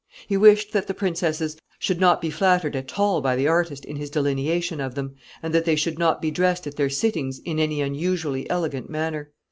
He wished that the princesses should not be flattered at all by the artist in his delineation of them, and that they should not be dressed at their sittings in any unusually elegant manner.